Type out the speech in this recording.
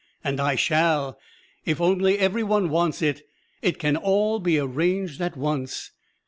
And I shall. If only every one wants it, it can all be arranged at once.